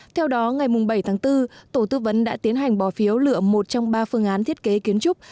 theo đó ngày bảy tháng bốn tổ tư vấn đã tiến hành bỏ phiếu lựa một trong ba phương án thiết kế kiến trúc